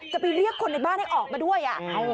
จะไปเรียกคนในบ้านให้ออกมาด้วย